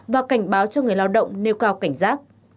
và cảnh báo cho người lao động nêu cao cảnh giác